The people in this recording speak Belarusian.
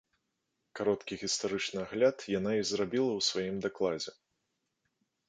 Кароткі гістарычны агляд яна і зрабіла ў сваім дакладзе.